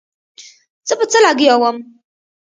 زه په څه لګيا وم.